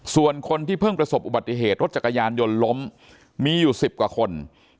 ส่วนคนที่เพิ่งประสบอุบัติเหตุรถจักรยานยนต์ล้มมีอยู่๑๐กว่าคน